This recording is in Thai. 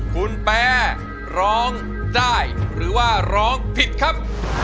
คุณแปรร้องได้หรือว่าร้องผิดครับ